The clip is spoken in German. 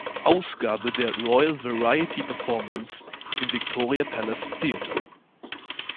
Ausgabe der Royal Variety Performance im Victoria Palace Theatre.